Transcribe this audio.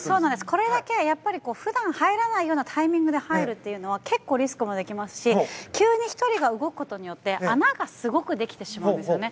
これだけ、普段入らないタイミングで入るというのは結構リスクがありますし急に１人が動くことで穴がすごくできてしまうんですよね。